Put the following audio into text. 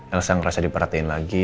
elsa ngerasa diperhatiin lagi